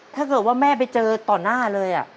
ถ้าเกิดว่าแม่ไปเจอต่อหน้าเลย